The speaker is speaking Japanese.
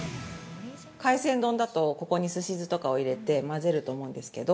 ◆海鮮丼だと、ここにすし酢とかを入れて混ぜると思うんですけど。